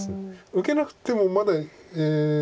受けなくてもまだ。